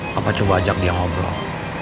bapak coba ajak dia ngobrol